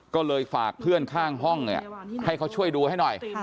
ก็เลยฝากเพื่อนข้างห้องให้เขาช่วยดูให้หน่อย